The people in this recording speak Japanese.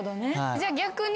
じゃあ逆に。